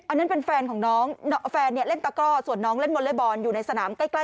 อันนั้นเป็นแฟนของน้องแฟนเล่นตะกร่อส่วนน้องเล่นมนตร์เล่นบอลอยู่ในสนามใกล้กัน